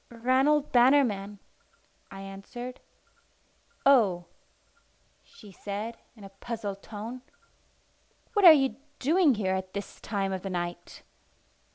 "Ranald Bannerman," I answered. "Oh!" she said in a puzzled tone. "What are you doing here at this time of the night?"